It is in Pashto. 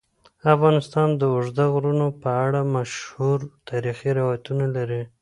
افغانستان د اوږده غرونه په اړه مشهور تاریخی روایتونه لري.